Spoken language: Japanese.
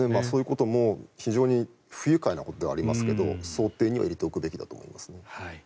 そういうことも、非常に不愉快なことではありますが想定には入れておくべきだと思いますね。